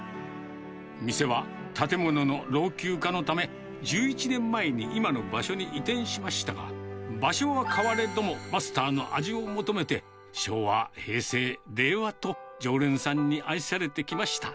店は、建物の老朽化のため、１１年前に今の場所に移転しましたが、場所は変われどもマスターの味を求めて、昭和、平成、令和と常連さんに愛されてきました。